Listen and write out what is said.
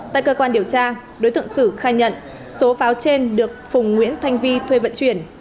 tại cơ quan điều tra đối tượng sử khai nhận số pháo trên được phùng nguyễn thanh vi thuê vận chuyển